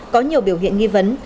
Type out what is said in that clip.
có nhiều biểu hiện nghi vấn